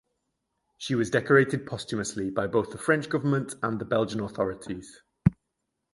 She was decorated posthumously by both the French government and the Belgian authorities.